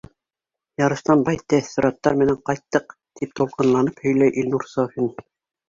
— Ярыштан бай тәьҫораттар менән ҡайттыҡ, — тип тулҡынланып һөйләй Илнур Сафин.